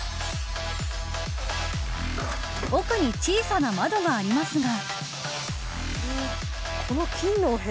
奥に小さな窓がありますが。